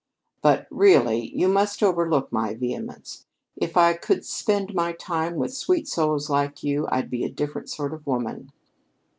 But, really, you must overlook my vehemence. If I could spend my time with sweet souls like you, I'd be a different sort of woman."